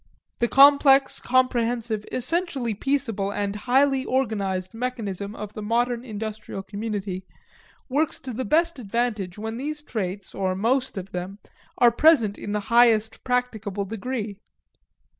The complex, comprehensive, essentially peaceable, and highly organized mechanism of the modern industrial community works to the best advantage when these traits, or most of them, are present in the highest practicable degree.